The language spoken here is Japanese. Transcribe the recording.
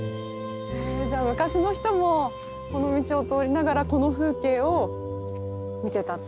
じゃあ昔の人もこの道を通りながらこの風景を見てたっていうことですか？